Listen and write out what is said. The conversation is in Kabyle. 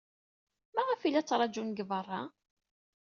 Maɣef ay la ttṛajun deg beṛṛa?